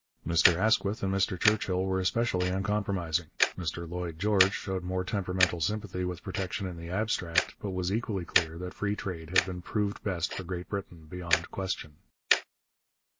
Mr Asquith and Mr Churchill were especially uncompromising; Mr Lloyd George showed more temperamental sympathy with protection in the abstract, but was equally clear that free trade had been proved best for Great Britain beyond question.